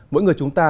mỗi người chúng ta